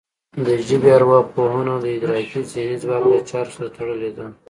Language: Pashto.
د ژبې ارواپوهنه د ادراکي ذهني ځواک له چارو سره تړلې ده